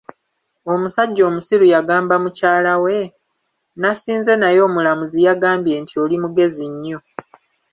Omusajja omusiru yagamba mukyala we, nasinze naye omulamuzi yagambye nti oli mugezi nnyo.